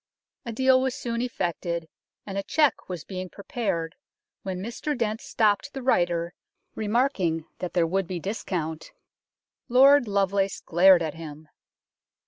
A deal was soon effected, and a cheque was being prepared when Mr Dent stopped the writer, remarking that there would be discount. Lord Lovelace glared at him.